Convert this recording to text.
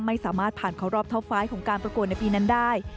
ไม่สามารถผ่านเข้ารอบท็อปไฟล์ของการประกวดในปีนั้นได้